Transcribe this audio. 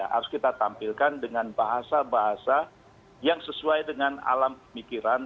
harus kita tampilkan dengan bahasa bahasa yang sesuai dengan alam pemikiran